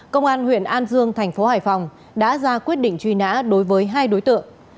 công an huyện an dương thành phố hải phòng đã ra quyết định truy nã đối với hai đối tượng